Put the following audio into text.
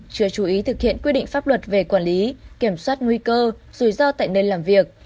chưa chú ý thực hiện quy định pháp luật về quản lý kiểm soát nguy cơ rủi ro tại nơi làm việc